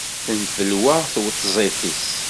Tenfelwa tweṭzit-is.